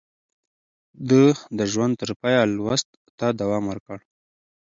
ده د ژوند تر پايه لوست ته دوام ورکړ.